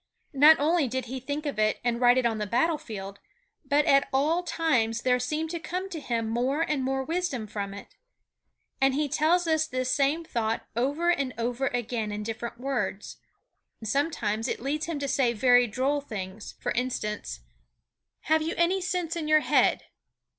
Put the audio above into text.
Not only did he think of it and write it on the battlefield, but at all times there seemed to come to him more and more wisdom from it. And he tells us this same thought over and over again in different words. Sometimes it leads him to say very droll things; for instance: "Have you any sense in your head?